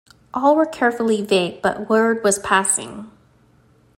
All were carefully vague but word was passing.